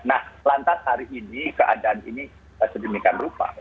nah lantas hari ini keadaan ini sedemikian rupa